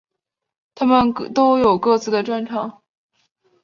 他们都有各自的专长。